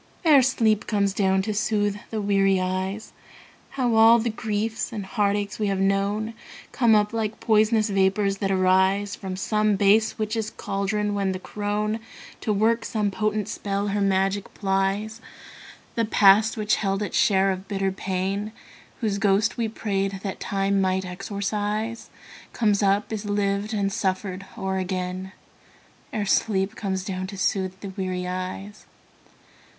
Ere sleep comes down to soothe the weary eyes, How all the griefs and heartaches we have known Come up like pois'nous vapors that arise From some base witch's caldron, when the crone, To work some potent spell, her magic plies. The past which held its share of bitter pain, Whose ghost we prayed that Time might exorcise, Comes up, is lived and suffered o'er again, Ere sleep comes down to soothe the weary eyes.